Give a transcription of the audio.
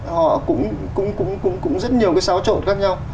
họ cũng rất nhiều cái xáo trộn khác nhau